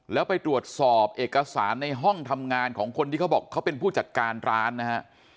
แล้วไปตรวจสอบเอกสารในห้องทำงานของคนที่เขาบอกเขาเป็นผู้จัดการร้านนะฮะ